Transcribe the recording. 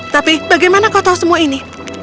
tapi bagaimana kau tahu semua ini